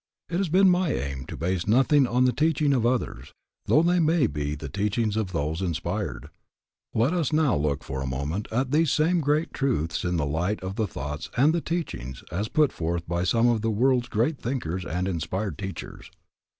It has been my aim to base nothing on the teachings of others, though they may be the teachings of those inspired. Let us now look for a moment at these same great truths in the light of the thoughts and the teachings as put forth by some of the world's great thinkers and inspired teachers.